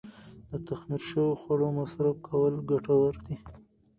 د تخمیر شوو خوړو مصرف کول ګټور دي.